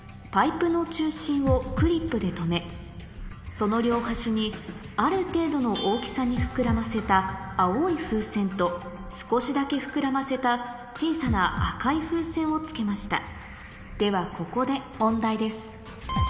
その両端にある程度の大きさに膨らませた青い風船と少しだけ膨らませた小さな赤い風船を付けましたではここで問題です